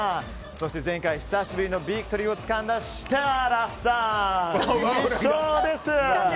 そして前回久しぶりのビクトリーをつかんだシタラさん、２勝です！